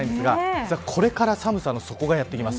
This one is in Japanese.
実はこれから寒さの底がやってきます。